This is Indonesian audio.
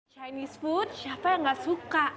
chinese food siapa yang gak suka